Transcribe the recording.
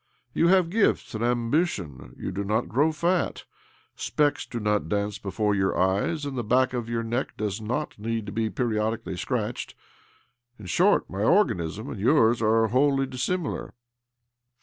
You have gift and ambition ; you do not grow fat ; speck; do not dance before your eyes ; and th( back of your neck does not need to Ы periodically scratched. In short, Ш] organism and yours are wholly dissimilar.'